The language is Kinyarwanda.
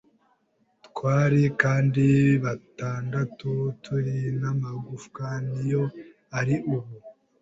twari, kandi batandatu turi; n'amagufwa ni yo ari ubu. ”